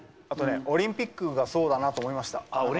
あと、オリンピックがそうだなと思いました。